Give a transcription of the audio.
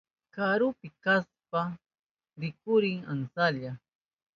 Karupi kashpan rikurin amsanlla.